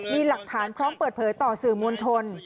มีหลักฐานพร้อมเปิดเผยต่อสื่อมวลชน